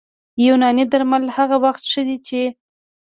یوناني درمل هغه وخت ښه دي چې